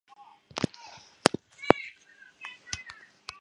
东西梳妆楼均为两层三檐歇山顶。